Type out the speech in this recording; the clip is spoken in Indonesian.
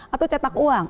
atau cetak uang